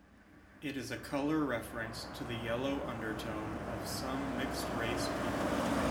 It is a color reference to the yellow undertone of some mixed-race people.